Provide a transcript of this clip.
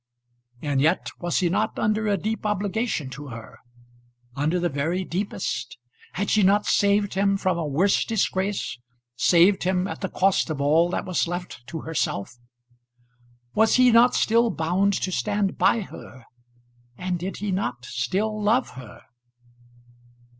And yet was he not under a deep obligation to her under the very deepest? Had she not saved him from a worse disgrace; saved him at the cost of all that was left to herself? Was he not still bound to stand by her? And did he not still love her?